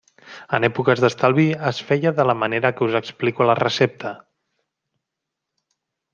En èpoques d'estalvi es feia de la manera que us explico a la recepta.